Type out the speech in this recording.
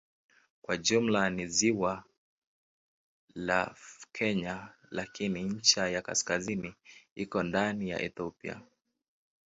Kwa jumla ni ziwa la Kenya lakini ncha ya kaskazini iko ndani ya Ethiopia.